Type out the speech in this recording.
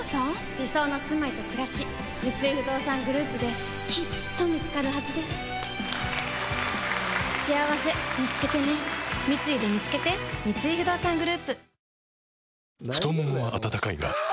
理想のすまいとくらし三井不動産グループできっと見つかるはずですしあわせみつけてね三井でみつけて太ももは温かいがあ！